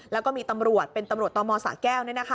แล้วก็มีตำรวจเป็นตำรวจตมสะแก้ว